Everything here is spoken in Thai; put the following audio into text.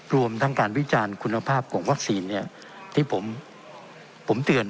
รวมทั้งการวิจารณ์คุณภาพของวัคซีนที่ผมเตือน